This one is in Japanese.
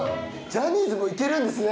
ジャニーズもいけるんですね。